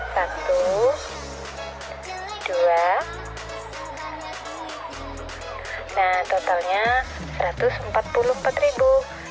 satu dua nah totalnya satu ratus empat puluh empat ribu